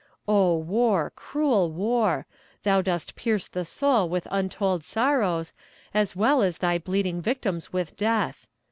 Oh, war, cruel war! Thou dost pierce the soul with untold sorrows, as well as thy bleeding victims with death.